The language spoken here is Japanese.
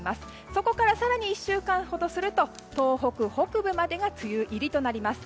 そこから更に１週間ほどすると東北北部までが梅雨入りとなります。